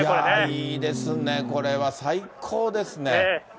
いや、いいですね、これは最高ですね。